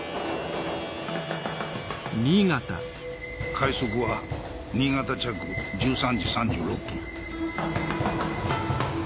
快速は新潟着１３時３６分。